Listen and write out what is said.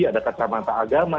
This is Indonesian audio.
ada kacamata agama